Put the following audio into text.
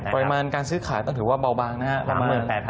ประมาณการซื้อขายต้องถือว่าเบาบางนะครับ